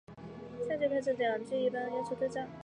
下阕开始两句一般要求对仗。